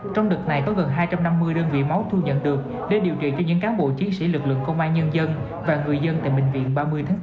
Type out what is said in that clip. trong đợt này có gần hai trăm năm mươi đơn vị máu thu nhận được để điều trị cho những cán bộ chiến sĩ lực lượng công an nhân dân và người dân tại bệnh viện ba mươi tháng bốn